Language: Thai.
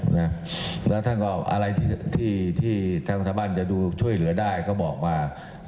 น่าท่านกูอะไรที่ที่ทางทะมั้นก็ดูช่วยเหลือได้ก็บอกมา